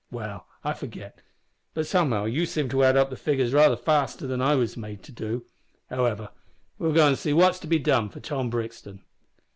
Well, I forget, but somehow you seem to add up the figgurs raither faster than I was made to do. Howsever, we'll go an' see what's to be done for Tom Brixton."